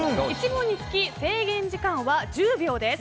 １問につき制限時間は１０秒です。